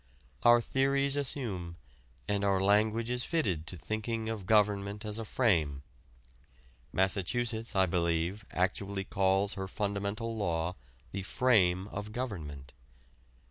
Our theories assume, and our language is fitted to thinking of government as a frame Massachusetts, I believe, actually calls her fundamental law the Frame of Government.